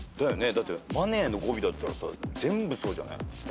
だって「ＭＯＮＥＹ」の語尾だったらさ全部そうじゃない？